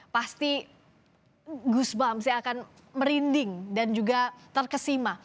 pasti goose bumps ya akan merinding dan juga terkesima